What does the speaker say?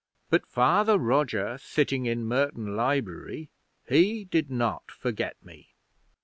But Father Roger sitting in Merton Library, he did not forget me.